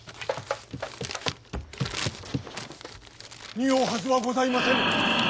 におうはずはございませぬ。